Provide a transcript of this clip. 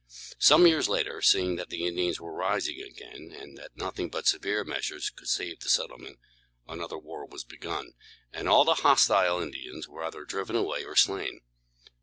Some years later, seeing that the Indians were rising again, and that nothing but severe measures could save the settlement, another war was begun, and all the hostile Indians were either driven away or slain.